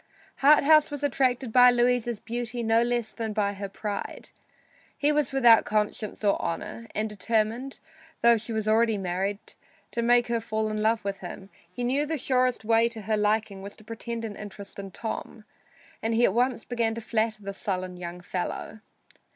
Harthouse was attracted by Louisa's beauty no less than by her pride. He was without conscience or honor, and determined, though she was already married, to make her fall in love with him. He knew the surest way to her liking was to pretend an interest in Tom, and he at once began to flatter the sullen young fellow.